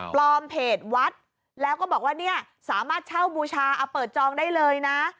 เพจวัดแล้วก็บอกว่าเนี่ยสามารถเช่าบูชาเอาเปิดจองได้เลยนะ